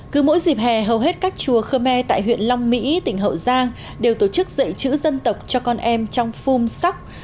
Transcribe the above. cứ mỗi dịp hè hầu hết các chùa khơ me tại huyện long mỹ tỉnh hậu giang đều tổ chức dạy chữ dân tộc cho con em trong phun sóc